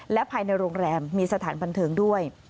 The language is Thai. และภายในโรงแรมมีสถานบันเทิงด้วย